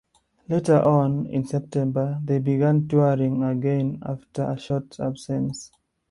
Later on, in September, they began touring again after a short absence.